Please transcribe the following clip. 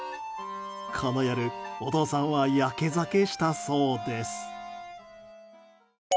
この夜、お父さんはやけ酒したそうです。